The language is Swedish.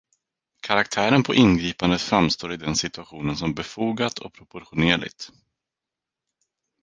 Karaktären på ingripandet framstår i den situationen som befogat och proportionerligt.